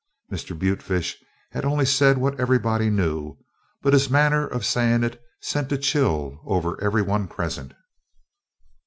Mr. Butefish had only said what everybody knew, but his manner of saying it sent a chill over every one present.